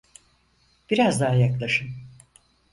Biraz daha yaklaşın.